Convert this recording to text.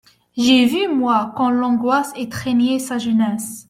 J'ai vu ; moi, quand l'angoisse étreignait sa jeunesse